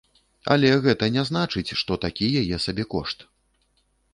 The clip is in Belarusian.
Але гэта не значыць, што такі яе сабекошт.